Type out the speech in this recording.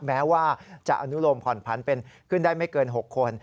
แม้ว่าจะอนุโลมผ่อนพันเป็นขึ้นได้ไม่เกิน๖คน